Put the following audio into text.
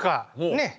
ねっ。